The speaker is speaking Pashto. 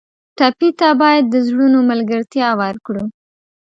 ټپي ته باید د زړونو ملګرتیا ورکړو.